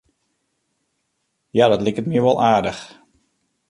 Ja, dat liket my wol aardich.